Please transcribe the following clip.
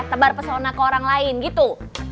tebar pesona ke orang lain gitu